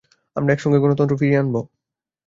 আমরা একসঙ্গে গণতন্ত্র ফিরিয়ে আনবো।